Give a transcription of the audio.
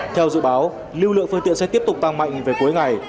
theo dự báo lưu lượng phương tiện sẽ tiếp tục tăng mạnh về cuối ngày